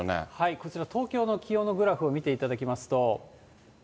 こちら、東京の気温のグラフを見ていただきますと。